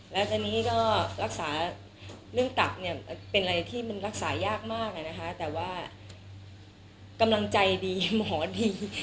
และเรื่องตับเป็นอะไรที่รักษายากมากแต่ว่ากำลังใจดีหมอดี